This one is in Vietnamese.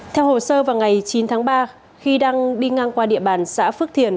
theo hồ sơ vào ngày chín tháng ba khi đang đi ngang qua địa bàn xã phước thiền